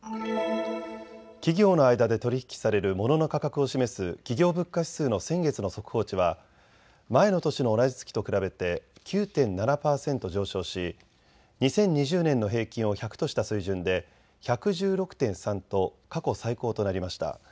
企業の間で取り引きされるモノの価格を示す企業物価指数の先月の速報値は前の年の同じ月と比べて９．７％上昇し、２０２０年の平均を１００とした水準で１１６．３と過去最高となりました。